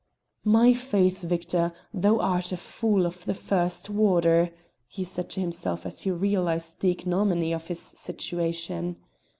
"My faith, Victor, thou art a fool of the first water!" he said to himself as he realised the ignominy of his situation.